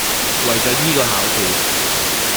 為咗依個考試